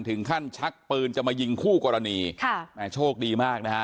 ถึงขั้นชักปืนจะมายิงคู่กรณีโชคดีมากนะฮะ